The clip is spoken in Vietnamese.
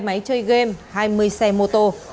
hai máy chơi game hai mươi xe mô tô